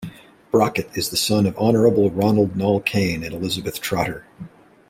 Brocket is the son of Honorable Ronald Nall-Cain and Elizabeth Trotter.